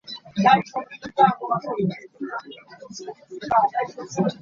Harvey served three combat tours in Vietnam.